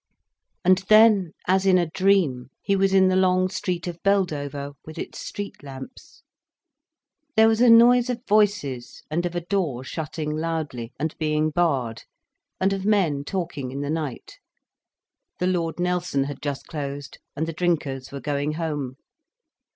And then, as in a dream, he was in the long street of Beldover, with its street lamps. There was a noise of voices, and of a door shutting loudly, and being barred, and of men talking in the night. The "Lord Nelson" had just closed, and the drinkers were going home.